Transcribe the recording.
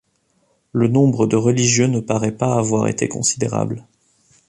Le nombre de religieux ne paraît pas avoir été considérable.